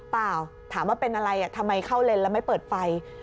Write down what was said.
เปล่าถามว่าเป็นอะไรทำไมเข้าเลนแล้วไม่เปิดไฟ